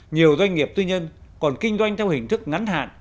nhiều doanh nghiệp tư nhân còn kinh doanh theo hình thức ngắn hạn